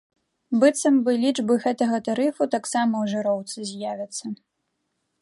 Быццам бы, лічбы гэтага тарыфу таксама ў жыроўцы з'явяцца.